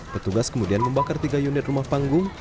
petugas kemudian membakar tiga unit rumah panggung